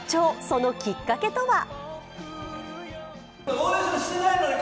そのきっかけとは？